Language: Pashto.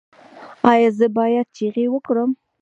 ایا زه باید چیغې وکړم؟